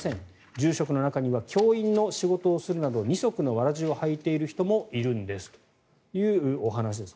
住職の中には教員の仕事をするなど二足のわらじを履いている人もいるんですというお話です。